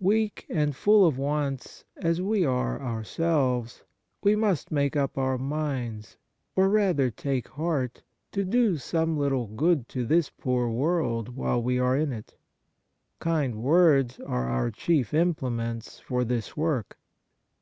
Weak and full of wants as we are our selves, we must make up our minds, or rather take heart, to do some httle good to this poor world while we are in it. Kind words are our chief implements for this work.